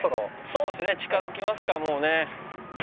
そうですね近づきますかもうね。